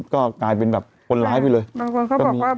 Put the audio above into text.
ก็กลายเป็นแบบคนร้ายไปเลยบางคนเขาบอกว่า